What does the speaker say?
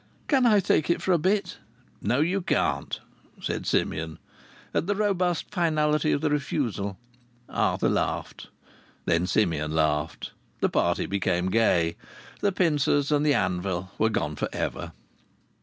"Can't I take it for a bit?" "No, you can't," said Simeon. At the robust finality of the refusal Arthur laughed. Then Simeon laughed. The party became gay. The pincers and the anvil were gone for ever.